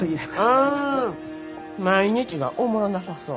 ああ毎日がおもろなさそう。